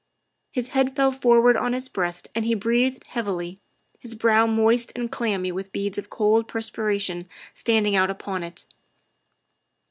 His head fell forward on his breast and he breathed heavily, his brow moist and clammy with beads of cold perspiration standing out upon it.